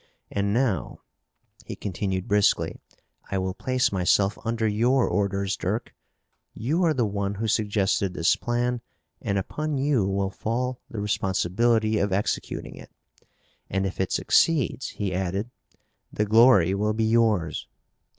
And now," he continued briskly, "I will place myself under your orders, Dirk. You are the one who suggested this plan and upon you will fall the responsibility of executing it. And, if it succeeds," he added, "the glory will be yours."